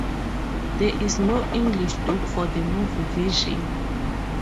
There is no English dub for the movie version.